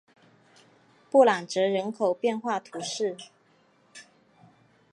布朗泽人口变化图示